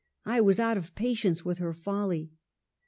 I was out of patience with her folly."